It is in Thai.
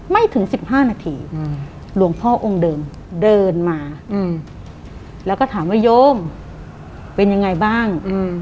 ไม่ถึง๑๕นาทีหลวงพ่อองค์เดิมเดินมาแล้วก็ถามว่าโยมเป็นยังไงบ้าง